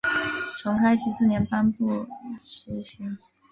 从开禧四年颁布施行。